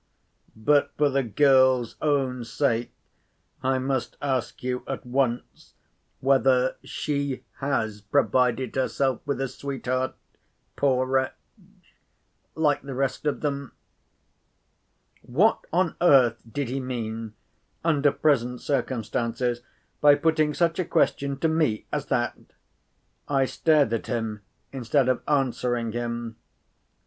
But, for the girl's own sake, I must ask you at once whether she has provided herself with a sweetheart, poor wretch, like the rest of them?" What on earth did he mean, under present circumstances, by putting such a question to me as that? I stared at him, instead of answering him.